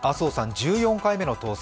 １４回目の当選。